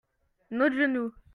notre genou.